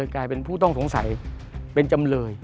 กลายเป็นผู้ต้องสงสัยเป็นจำเลย